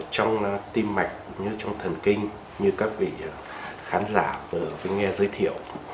trong tim mạch như trong thần kinh như các vị khán giả vừa nghe giới thiệu